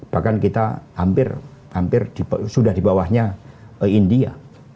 bahkan kita hampir sudah di bawahnya india